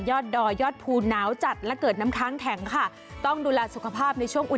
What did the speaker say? ยอดด่อยอดภูนาวจัดและเกิดน้ำค้างแข็งค่ะ